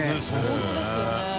本当ですよね。